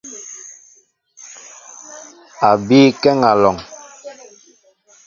A bii kéŋ alɔŋ.